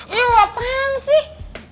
ya apaan sih